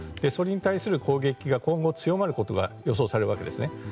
それに対する攻撃が今後強まることも予想されるわけですね。